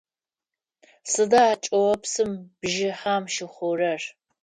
Сыда чӏыопсым бжыхьэм щыхъурэр?